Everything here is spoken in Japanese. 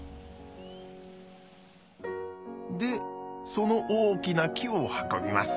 でその大きな木を運びます。